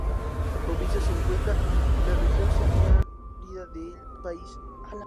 La provincia se encuentra en la región semiárida del país.